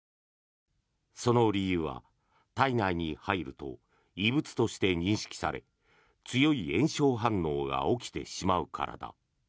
その理由は体内に入ると異物として認識され強い炎症反応が起きてしまうからだ。